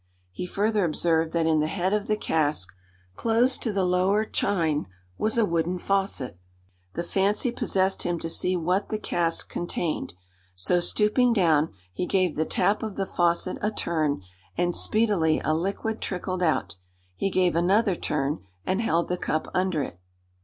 He further observed that in the head of the cask, close to the lower chine, was a wooden faucet. The fancy possessed him to see what the cask contained; so, stooping down, he gave the tap of the faucet a turn, and speedily a liquid trickled out. He gave another turn and held the cup under it.